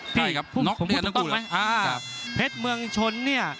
พี่ผมพูดถูกต้องไหมเพชรเมืองชนเนี่ย